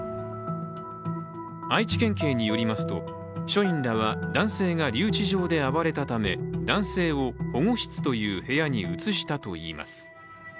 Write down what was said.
愛知県警によりますと、署員らは男性が留置場で暴れたため男性を保護室という部屋に移したといいます。